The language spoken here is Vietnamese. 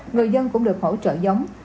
người dân cũng được hỗ trợ giống